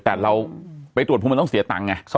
แต่เราไปตรวจภูมิมันต้องเสียตังค์ไง